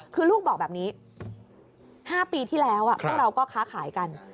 คือลูกบอกแบบนี้๕ปีที่แล้วพวกเราก็ค้าขายกัน